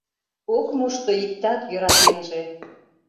Ок мошто иктат йӧратенже;